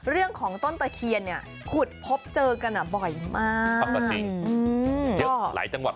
เรื่องของต้นตะเคียนขุดพบเจอกันบ่อยมาก